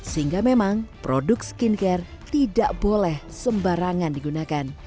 sehingga memang produk skincare tidak boleh sembarangan digunakan